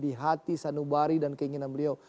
di hati sanubari dan keinginan beliau